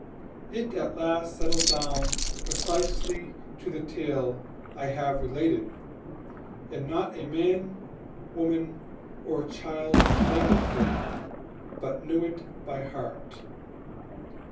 It at last settled down precisely to the tale I have related, and not a man, woman, or child in the neighborhood but knew it by heart.